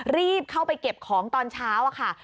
รีบเข้าไปเก็บของตอนเช้าค่ะ